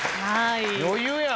余裕やん。